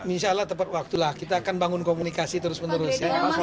insya allah tepat waktu lah kita akan bangun komunikasi terus menerus